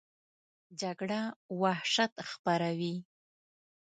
جګړه وحشت خپروي